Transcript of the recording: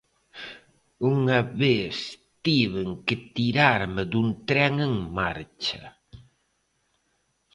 Unha vez tiven que tirarme dun tren en marcha.